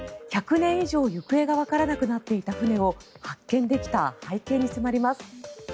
１００年以上行方がわからなくなっていた船を発見できた背景に迫ります。